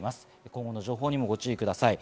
今後の情報にもご注意ください。